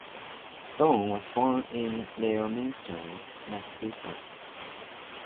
Stone was born in Leominster, Massachusetts.